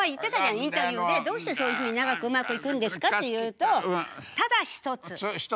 インタビューで「どうしてそういうふうに長くうまくいくんですか？」っていうとただ一つ奥さんに逆らわないこと。